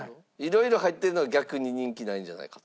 色々入ってるのは逆に人気ないんじゃないかと。